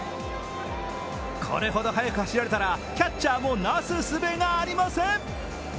これほど速く走られたら、キャッチャーもなすすべがありません。